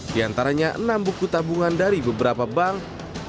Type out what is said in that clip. diantaranya enam buku tabungan dari beberapa bank